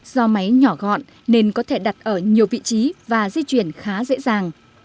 do máy nhỏ gọn nên có thể đặt ở nhiều vị trí và di chuyển khá dễ dàng